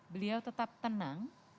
beliau tetap tenang